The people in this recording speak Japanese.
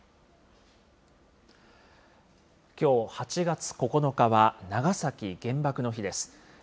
きょう８月９日は長崎原爆の日です。